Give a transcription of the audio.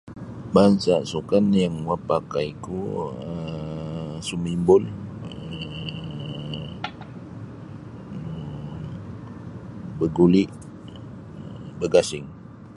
bansia' sukan yang mapakai ku um sumimbing um beguli um begasing.